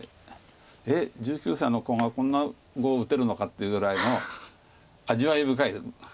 「えっ１９歳の子がこんな碁を打てるのか」っていうぐらいの味わい深い。